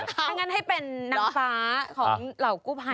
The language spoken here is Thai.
อย่างนั้นให้เป็นนักฟ้าของเหล่ากู้ไพลค์